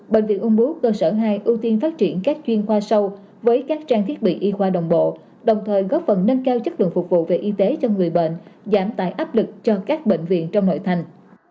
bệnh viện ung bú cơ sở hai ưu tiên phát triển các chuyên khoa sâu với các trang thiết bị y khoa đồng bộ đồng thời góp phần nâng cao chất lượng phục vụ về y tế cho người bệnh giảm tài áp lực cho các bệnh viện trong nội thành